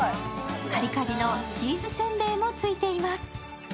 カリカリのチーズせんべいもついています。